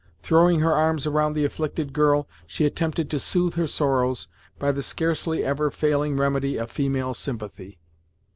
Throwing her arms around the afflicted girl, she attempted to soothe her sorrows by the scarcely ever failing remedy of female sympathy.